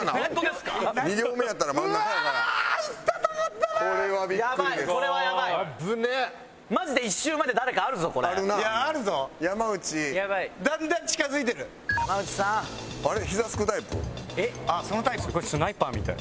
すごいスナイパーみたい。